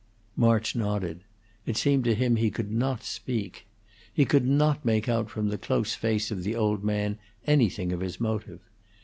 March nodded; it seemed to him he could not speak. He could not make out from the close face of the old man anything of his motive.